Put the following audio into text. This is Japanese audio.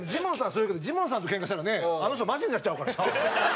そう言うけどジモンさんとケンカしたらねあの人マジになっちゃうからさ。